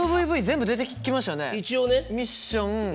一応ね。